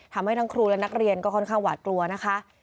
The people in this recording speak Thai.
ทำให้ทั้งครูและนักเรียนก็ค่อนข้างหวาดกลัวนะคะ